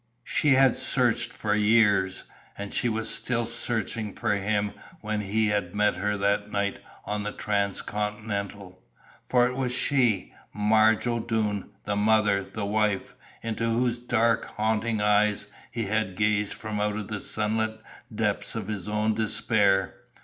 She had searched for years. And she was still searching for him when he had met her that night on the Transcontinental! For it was she Marge O'Doone, the mother, the wife, into whose dark, haunting eyes he had gazed from out the sunless depths of his own despair!